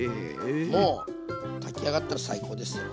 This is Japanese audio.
もう炊き上がったら最高ですよ。